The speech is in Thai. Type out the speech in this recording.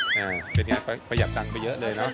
อันนี้เป็นยังไงประหยัดตังไปเยอะเลยนะ